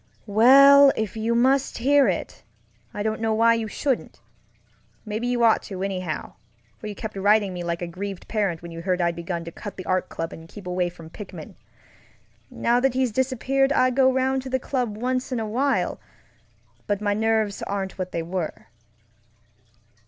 Well, if you must hear it, I don't know why you shouldn't. Maybe you ought to, anyhow, for you kept writing me like a grieved parent when you heard I'd begun to cut the Art Club and keep away from Pickman. Now that he's disappeared I go around to the club once in a while, but my nerves aren't what they were.